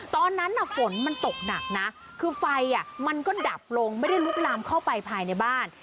ตอนนั้นฝนมันตกหนักนะคือไฟมันก็ดับลงไม่ได้ลุกลามเข้าไปภายในบ้าน